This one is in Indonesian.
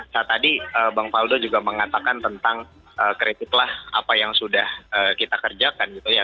saat tadi bang faldo juga mengatakan tentang kritiklah apa yang sudah kita kerjakan gitu ya